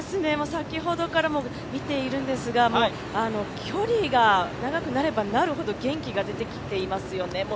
先ほどから見ているんですが、距離が長くなればなるほど元気が出てきていますよね。